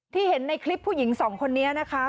เห็นในคลิปผู้หญิงสองคนนี้นะคะ